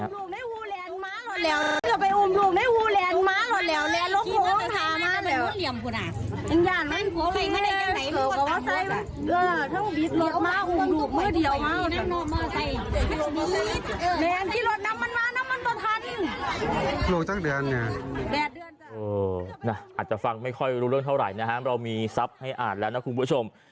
อาจจะฟังไม่ค่อยรู้เรื่องเท่าไหร่นะครับเรามีทรัพย์ให้อ่านแล้วนะคุณผู้ชม